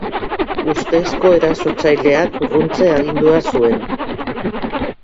Ustezko erasotzaileak urruntze agindua zuen.